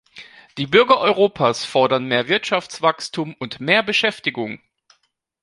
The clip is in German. Die Bürger Europas fordern mehr Wirtschaftswachstum und mehr Beschäftigung.